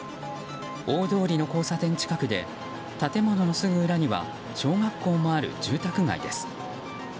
大通りの交差点近くで建物のすぐ裏には小学校もある住宅街です。